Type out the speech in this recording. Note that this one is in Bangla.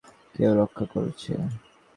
কেউ রক্ষা করছে?